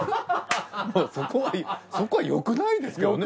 そこはよくないですか？